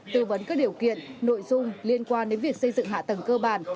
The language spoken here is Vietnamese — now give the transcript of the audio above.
tư vấn các điều kiện nội dung liên quan đến việc xây dựng hạ tầng cơ bản